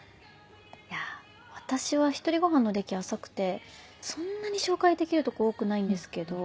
私は１人ごはんの歴浅くてそんなに紹介できるとこ多くないんですけど。